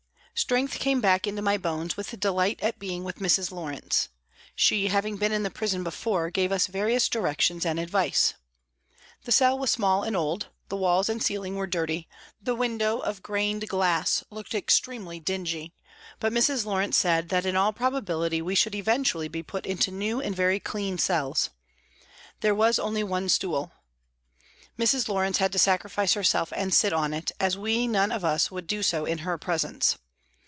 Strength came back into my bones with delight at being with Mrs. Lawrence. She having been in the prison before gave us various directions and advice. The cell was small and old, the walls and ceiling were dirty, the window of grained glass looked extremely dingy ; but Mrs. Lawrence said that in all probability we should eventually be put into new and very clean cells. There was only one stool. Mrs. Lawrence had to sacrifice herself and sit on it, as we none of us would do so in her presence.